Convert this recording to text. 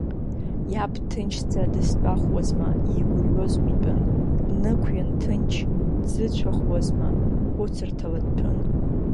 Иаб дҭынчӡа дызтәахуазма, иигәырҩоз митәын, днықәиан ҭынч дзыцәахуазма, хәыцырҭала дҭәын.